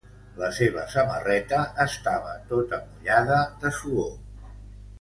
La seva samarreta estava tota mullada de suor.